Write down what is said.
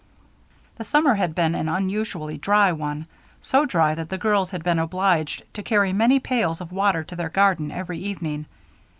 The summer had been an unusually dry one; so dry that the girls had been obliged to carry many pails of water to their garden every evening.